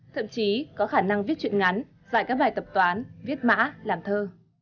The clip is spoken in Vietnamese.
thậm chí có khả năng viết chuyện ngắn giải các bài tập toán viết mã làm thơ